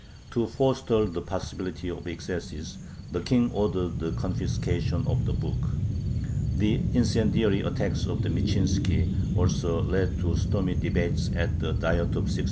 To forestall the possibility of excesses the King ordered the confiscation of the book. The incendiary attacks of Michinski also led to stormy debates at the Diet of 1618.